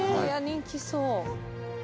人気そう。